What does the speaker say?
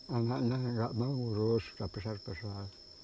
anak anak nggak mau urus nggak besar besaran